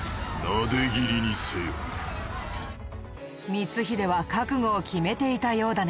光秀は覚悟を決めていたようだね。